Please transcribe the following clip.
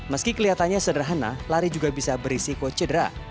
meski kelihatannya sederhana lari juga bisa berisiko cedera